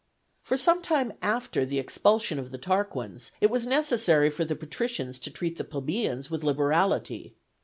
For some time after the expulsion of the Tarquins it was necessary for the patricians to treat the plebeians with liberality.